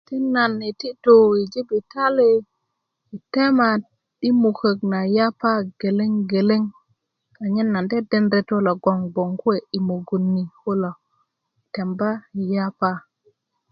ti na yititú i jibitali tema i mukök na yapa gelegelé anyen nan dedenda reto lo gboŋ kuwe i mugön ni kuló tembá i yapa